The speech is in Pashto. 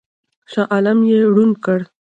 شاه عالم یې ړوند کړ.